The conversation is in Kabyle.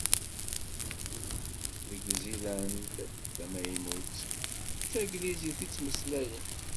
Deg Ziland Tamaynut, d taglizit i ttmeslayen.